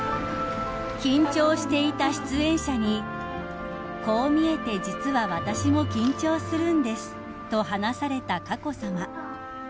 ［緊張していた出演者に「こう見えて実は私も緊張するんです」と話された佳子さま］